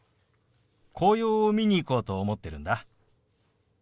紅葉を見に行こうと思ってるんだ。